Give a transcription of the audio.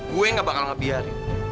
gue gak bakal ngebiarin